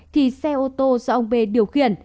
thì xe ô tô do ông bê điều khiển